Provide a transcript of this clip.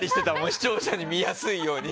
視聴者に見やすいように。